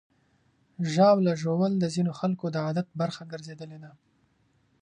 ژاوله ژوول د ځینو خلکو د عادت برخه ګرځېدلې ده.